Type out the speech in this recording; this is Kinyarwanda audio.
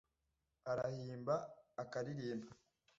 Arahimba akaririmba